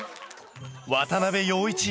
渡部陽一